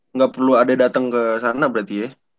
nggak perlu ada dateng ke sana berarti ya